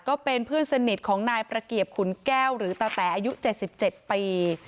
ก็เป็นเพื่อนสนิทของนายประเกียบขุนแก้วหรือตาแต่อายุเจ็ดสิบเจ็ดปี